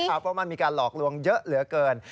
เพราะมันมีการหลอกลวงเยอะเหลือเกิน